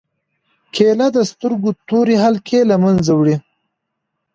کېله د سترګو تور حلقې له منځه وړي.